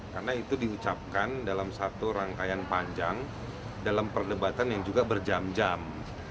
karena itu diucapkan dalam satu rangkaian panjang dalam perdebatan yang juga berjam jam